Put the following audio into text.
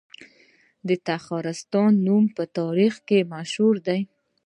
د تخارستان نوم په تاریخ کې مشهور دی